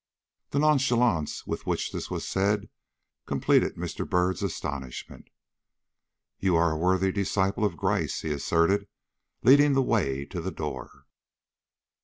The nonchalance with which this was said completed Mr. Byrd's astonishment. "You are a worthy disciple of Gryce," he asserted, leading the way to the door.